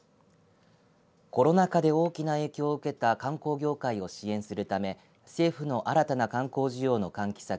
コロナ禍で大きな影響を受けた観光業界を支援するため政府の新たな観光需要の喚起策